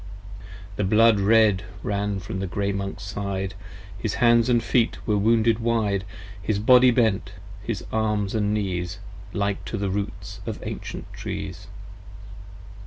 The blood red ran from the Grey Monk's side, His hands & feet were wounded wide, His body bent, his arms & knees 70 Like to the roots of ancient trees.